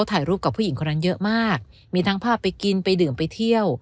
ถ่ายรูปกับผู้หญิงคนนั้นเยอะมากมีทั้งภาพไปกินไปดื่มไปเที่ยว